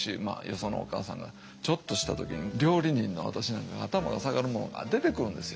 そのお母さんがちょっとした時に料理人の私なんかが頭が下がるものが出てくるんですよ。